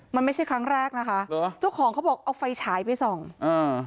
มันไม่ใช่ครั้งแรกนะคะเหรอเจ้าของเขาบอกเอาไฟฉายไปส่องอ่า